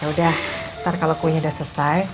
yaudah ntar kalo kuenya udah selesai